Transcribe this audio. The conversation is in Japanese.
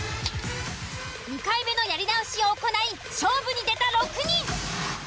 ２回目のやり直しを行い勝負に出た６人。